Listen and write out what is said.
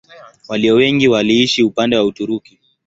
Walio wengi waliishi upande wa Uturuki.